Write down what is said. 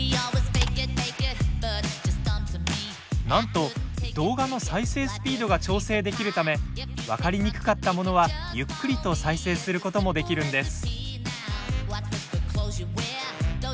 なんと動画の再生スピードが調整できるため分かりにくかったものはゆっくりと再生することもできるんです。